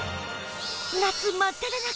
夏真っただ中！